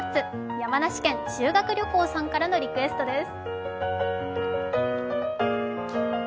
山梨県、修学旅行さんからのリクエストです。